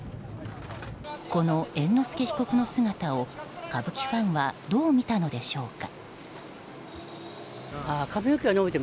この猿之助被告の姿を歌舞伎ファンはどう見たのでしょうか。